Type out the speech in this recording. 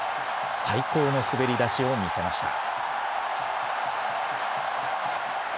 最高の滑り出しを見せました。